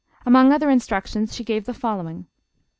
Among other instructions she gave the following.